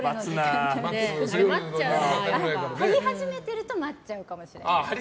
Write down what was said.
貼り始めてると待っちゃうかもしれない。